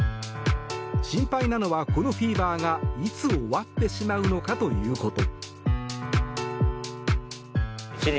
心配なのはこのフィーバーがいつ終わってしまうのかということ。